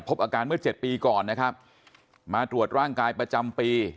อาการเมื่อเจ็ดปีก่อนนะครับมาตรวจร่างกายประจำปี